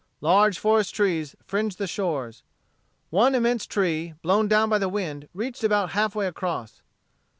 Large forest trees fringed the shores. One immense tree, blown down by the wind, reached about halfway across.